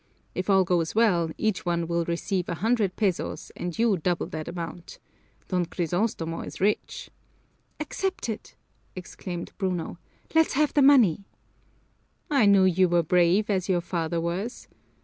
If all goes well, each one will receive a hundred pesos and you double that amount. Don Crisostomo is rich." "Accepted!" exclaimed Bruno. "Let's have the money." "I knew you were brave, as your father was!